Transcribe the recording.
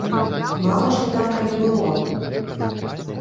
Мала што там калі было!